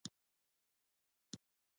دوی ځانګړي ډول مڼې لري.